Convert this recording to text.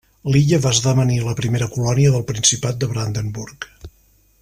L'illa va esdevenir la primera colònia del principat de Brandenburg.